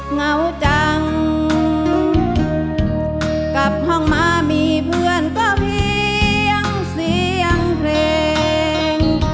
เหงาจังกลับห้องมามีเพื่อนก็เพียงเสียงเพลง